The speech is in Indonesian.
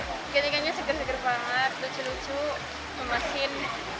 ikan ikannya seger seger banget lucu lucu memasin